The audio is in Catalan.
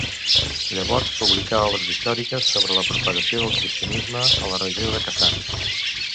Llavors publicà obres històriques sobre la propagació del cristianisme a la regió de Kazan.